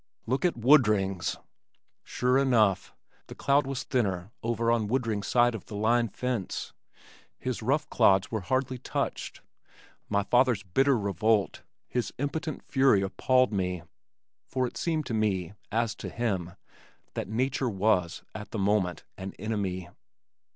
"Look at Woodring's!" Sure enough. The cloud was thinner over on Woodring's side of the line fence. His rough clods were hardly touched. My father's bitter revolt, his impotent fury appalled me, for it seemed to me (as to him), that nature was, at the moment, an enemy.